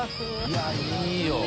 いやぁいいよ。